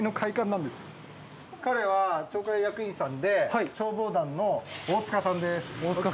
彼は町会役員さんで消防団の大塚さんです。